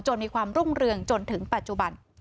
มีความรุ่งเรืองจนถึงปัจจุบัน